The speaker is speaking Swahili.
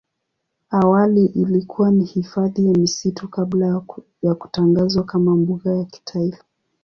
Awali ilikuwa ni hifadhi ya misitu kabla ya kutangazwa kama mbuga ya kitaifa.